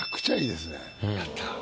やった。